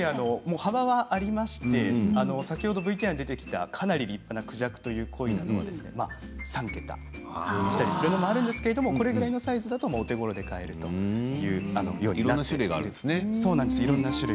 幅がありまして先ほどＶＴＲに出てきたかなり立派な孔雀というコイは３桁したりするのもあるんですがこのくらいのサイズだとお手ごろで買えるということです。